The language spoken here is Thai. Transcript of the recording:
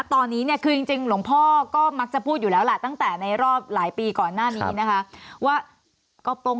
ตอนนี้เนี่ยคือจริงหลังพอก็มักจะพูดอยู่แล้วละตั้งแต่ในรอบหลายปีก่อน